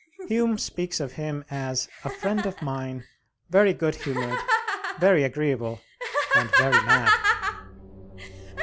Hume speaks of him as a "friend of mine, very good humored, very agreeable, and very mad."